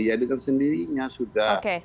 ya dengan sendirinya sudah